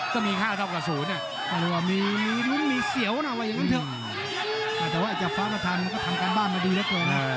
แต่ว่าอาจจะฟ้าพระธรรมก็ทำการบ้านมาดีแล้วกัน